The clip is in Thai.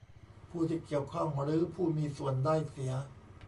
ผู้ที่เกี่ยวข้อง หรือผู้มีส่วนได้เสีย